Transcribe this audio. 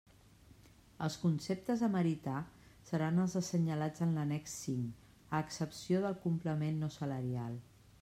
Els conceptes a meritar seran els assenyalats en l'annex V a excepció del complement no salarial.